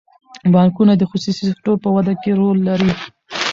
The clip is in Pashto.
بانکونه د خصوصي سکتور په وده کې رول لري.